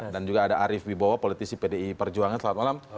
dan juga ada arief wibowo politisi pdi perjuangan selamat malam